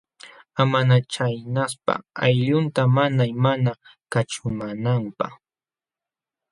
Ama chaynaspa allquyta maqay mana kaćhumaananpaq.